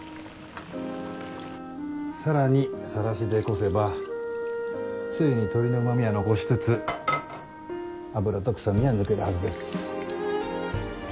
さらにさらしでこせばつゆに鶏のうま味は残しつつ脂と臭みは抜けるはずです。